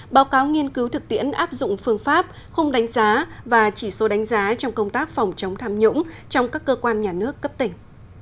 báo cáo nghiên cứu thực tiễn áp dụng phương pháp khung đánh giá và chỉ số đánh giá trong công tác phòng chống tham nhũng trong các cơ quan nhà nước cấp tỉnh